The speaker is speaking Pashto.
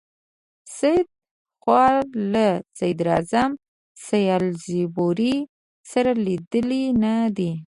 سید خو له صدراعظم سالیزبوري سره لیدلي نه دي.